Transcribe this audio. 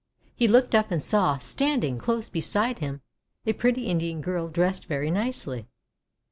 He looked up, and saw, standing close beside him, a pretty Indian girl dressed very nicely.